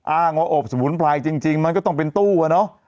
อ้างว่าอบสมุนไพรจริงมันก็ต้องเป็นตู้อ่ะเนอะ